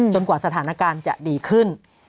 กว่าสถานการณ์จะดีขึ้น